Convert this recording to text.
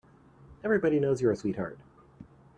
Everybody knows you're a sweetheart.